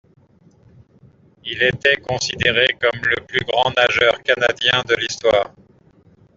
Il était considéré comme le plus grand nageur canadien de l'histoire.